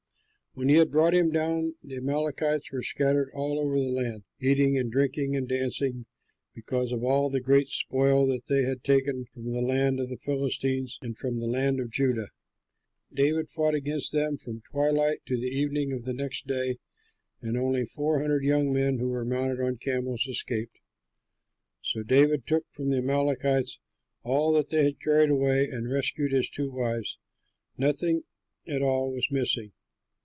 When he had brought him down, the Amalekites were scattered over all the land, eating and drinking and dancing, because of all the great spoil that they had taken from the land of the Philistines and from the land of Judah. David fought against them from twilight to the evening of the next day, and only four hundred young men who were mounted on camels escaped. So David took from the Amalekites all that they had carried away and rescued his two wives; nothing at all was missing.